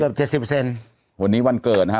เกือบ๗๐เปอร์เซ็นต์วันนี้วันเกิดนะฮะ